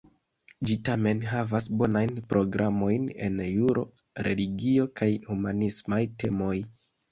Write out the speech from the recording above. Ĝi tamen havas bonajn programojn en juro, religio, kaj humanismaj temoj.